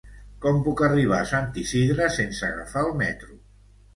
Com puc arribar a Sant Isidre sense agafar el metro?